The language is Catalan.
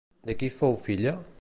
De qui fou filla?